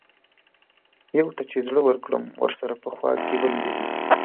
يو ته چې زړۀ ورکړم ورسره پۀ خوا کښې بل دے